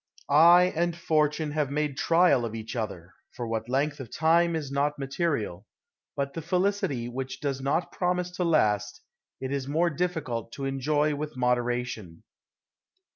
I and Fortune have made trial of each other — for what length of time is not material ; but the felicity which does not promise to last, it is more diflScult to enjoy with modera tion.